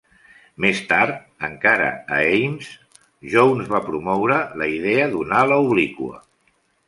Més tard, encara a Ames, Jones va promoure la idea d'una ala obliqua.